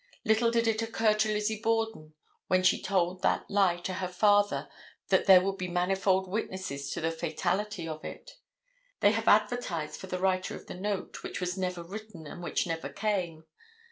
Little did it occur to Lizzie Borden when she told that lie to her father that there would be manifold witnesses of the fatality of it. They have advertised for the writer of the note, which was never written and which never came.